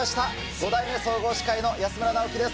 ５代目総合司会の安村直樹です